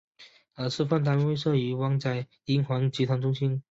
而示范单位设于湾仔英皇集团中心。